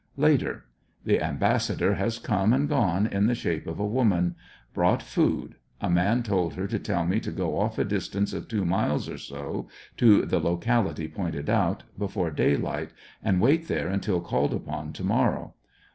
Later. — The ambassador has come and gone in the shape of a wo man. Brought food; a man told her to tell me to go off a distance of two miles or so, to the locality pointed out, before da3dight, and wait there until called upon to morrow.